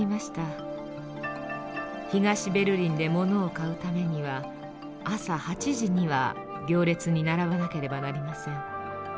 東ベルリンで物を買うためには朝８時には行列に並ばなければなりません。